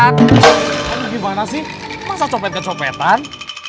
aduh gimana sih masa copet kecopetan